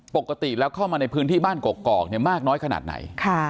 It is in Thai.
ปกติแล้วเข้ามาในพื้นที่บ้านกอกมากน้อยขนาดไหน